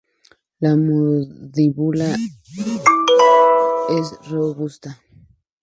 La mandíbula es robusta.